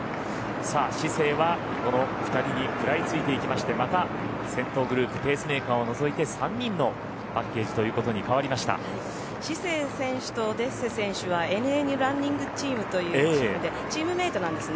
シセイはこの２人に食らいついていきましてまた、先頭グループペースメーカーを除いて３人のパッケージということにシセイ選手とデッセ選手は同じチームでチームメートなんですね。